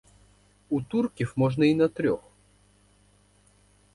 У турків можна й на трьох!